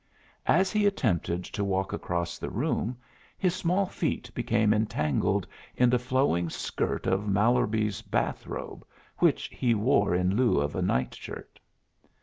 As he attempted to walk across the room his small feet became entangled in the flowing skirt of Mallerby's bath robe, which he wore in lieu of a nightshirt.